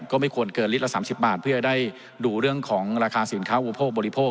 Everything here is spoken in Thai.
ก็ไม่ควรเกินลิตรละ๓๐บาทเพื่อได้ดูเรื่องของราคาสินค้าอุปโภคบริโภค